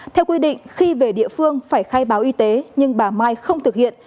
theo quy định khi về địa phương phải khai báo y tế nhưng bà mai không thực hiện